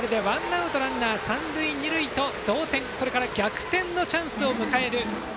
これでワンアウトランナー、三塁二塁と同点、それから逆転のチャンスを迎える